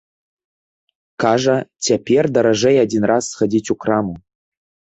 Кажа, цяпер даражэй адзін раз схадзіць у краму.